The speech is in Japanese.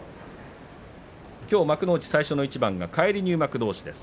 きょう幕内、最初の一番は返り入幕どうしです。